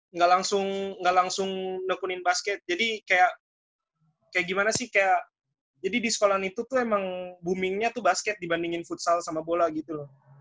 enggak langsung enggak langsung ngekunin basket jadi kayak kayak gimana sih kayak jadi di sekolah itu tuh emang boomingnya tuh basket dibandingin futsal sama bola gitu loh